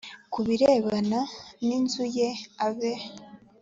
ku birebana n inzu ye abe